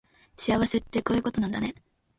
幸せってこういうことなんだね